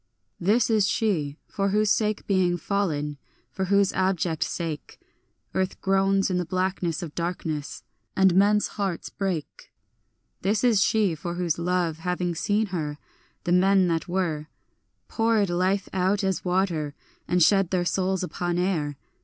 This is she for whose sake being fallen, for whose abject sake, Earth groans in the blackness of darkness, and men's hearts break. This is she for whose love, having seen her, the men that were Poured life out as water, and shed their souls upon air.